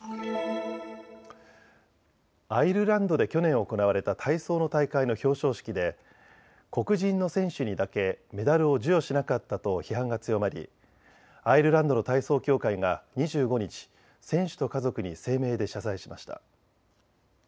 アイルランドで去年行われた体操の大会の表彰式で黒人の選手にだけメダルを授与しなかったと批判が強まりアイルランドの体操協会が２５日、選手と家族に声明で謝罪しました。